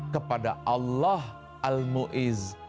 kepada allah al mu'izz